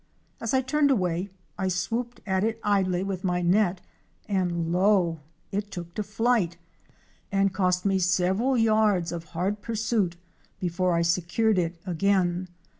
As I turned away I swooped at it idly with my net and lo! it took to flight and cost me several yards of hard pursuit 342 OUR SEARCH FOR A WILDERNESS. before I secured it again.